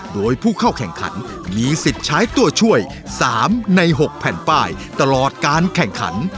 โดยผู้เข้าแข่งขันมีสิทธิ์ใช้ตัวช่วย๓ใน๖แผ่นป้ายตลอดการแข่งขัน